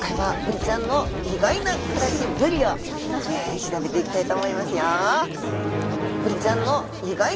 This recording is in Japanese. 調べていきたいと思いますよ。